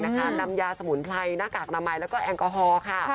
นำยาสมุนไพรหน้ากากอนามัยแล้วก็แอลกอฮอล์ค่ะ